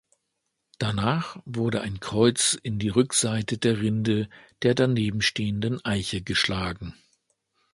Danach wurde ein Kreuz in die Rückseite der Rinde der daneben stehenden Eiche geschlagen.